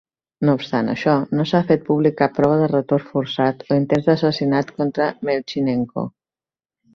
No obstant això, no s'ha fet públic cap prova de retorn forçat o intents d'assassinat contra Melnychenko.